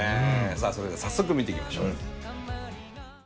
さあそれでは早速見ていきましょう！